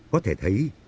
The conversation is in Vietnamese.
có thể thấy